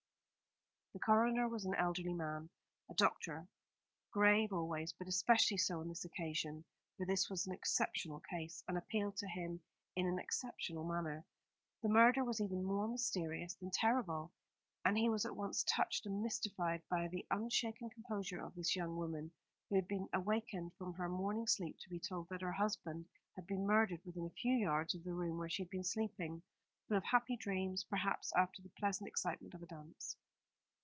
The coroner was an elderly man, a doctor grave always, but especially so on this occasion, for this was an exceptional case, and appealed to him in an exceptional manner. The murder was even more mysterious than terrible; and he was at once touched and mystified by the unshaken composure of this young woman, who had been awakened from her morning sleep to be told that her husband had been murdered within a few yards of the room where she had been sleeping, full of happy dreams, perhaps, after the pleasant excitement of a dance.